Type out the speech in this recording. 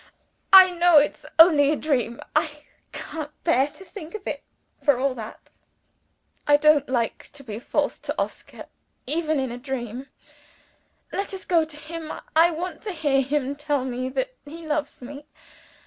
I know it's only a dream. I can't bear to think of it, for all that. I don't like to be false to Oscar even in a dream. Let us go to him. I want to hear him tell me that he loves me.